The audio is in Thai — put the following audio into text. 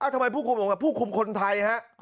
ทำไมผู้คุมบอกว่าผู้คุมคนไทยฮะ